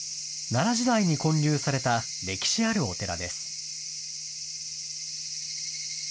奈良時代に建立された歴史あるお寺です。